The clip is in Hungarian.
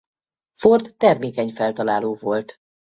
Ford termékeny feltaláló volt.